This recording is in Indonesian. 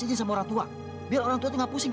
bisa pada diam gak sih